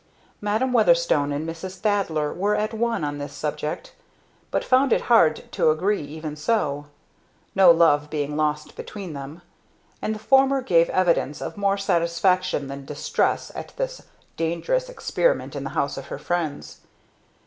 Madam Weatherstone and Mrs. Thaddler were at one on this subject; but found it hard to agree even so, no love being lost between them; and the former gave evidence of more satisfaction than distress at this "dangerous experiment" in the house of her friends.